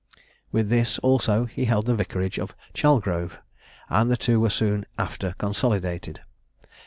With this also he held the vicarage of Chalgrove; and the two were soon after consolidated.